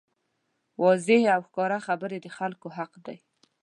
واضحې او ښکاره خبرې د خلکو حق دی.